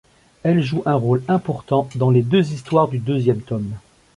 Elle joue un rôle important dans les deux histoires du deuxième tome.